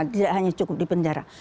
tidak hanya cukup di penjara